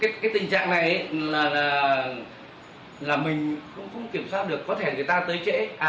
cái tình trạng này là mình cũng không kiểm soát được